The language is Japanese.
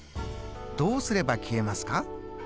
どうすれば消えますか？